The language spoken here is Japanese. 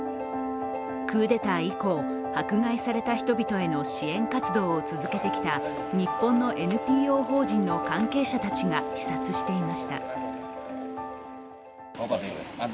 クーデター以降、迫害された人々への支援活動を続けてきた日本のＮＰＯ法人の関係者たちが視察していました。